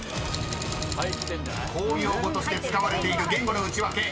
［公用語として使われている言語のウチワケ］